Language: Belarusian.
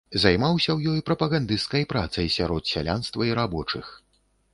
Займаўся ў ёй прапагандысцкай працай сярод сялянства і рабочых.